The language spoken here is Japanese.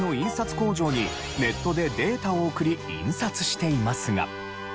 工場にネットでデータを送り印刷していますが。